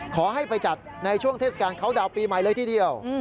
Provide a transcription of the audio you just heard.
ขอให้ไปจัดในช่วงเทศกาลเขาดาวน์ปีใหม่เลยทีเดียว